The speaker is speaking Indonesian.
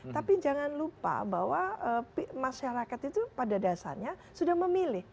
tapi jangan lupa bahwa masyarakat itu pada dasarnya sudah memilih